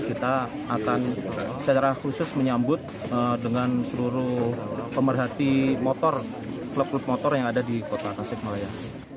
kita akan secara khusus menyambut dengan seluruh pemerhati motor klub klub motor yang ada di kota tasik malaya